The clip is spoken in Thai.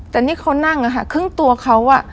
แต่นี่เขานั่งอะค่ะครึ่งตัวเขา